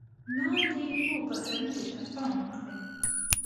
لاندې دوو بهیرونو ته پام وکړئ: